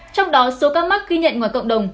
trong đó số ca mắc ghi nhận ngoài cộng đồng